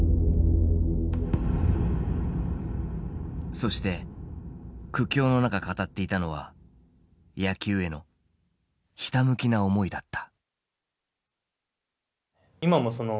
そして苦境の中語っていたのは野球へのひたむきな思いだった。